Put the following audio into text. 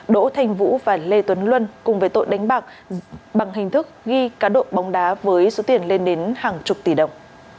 đỗ thanh vũ và lê tuấn luân cùng với tội đánh bạc bằng hình thức ghi cá độ bóng đá với số tiền lên đến hàng chục tỷ đồng